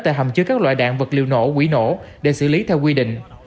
tại hầm chứa các loại đạn vật liều nổ quỹ nổ để xử lý theo quy định